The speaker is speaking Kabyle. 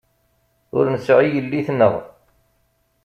Ur nesεi yelli-tneɣ.